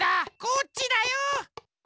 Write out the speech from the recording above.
こっちだよ！